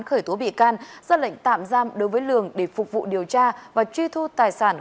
khởi tố bị can ra lệnh tạm giam đối với lường để phục vụ điều tra và truy thu tài sản